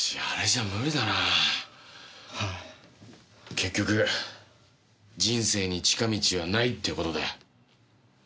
結局人生に近道はないっていう事だよ。